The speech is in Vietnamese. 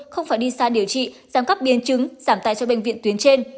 không phải đi xa điều trị giảm cấp biến chứng giảm tài cho bệnh viện tuyến trên